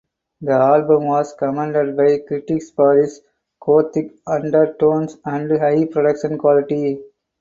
The album was commended by critics for its gothic undertones and high production quality.